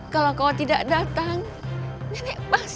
kalau kau tidak datang nenek pasti terlalu baik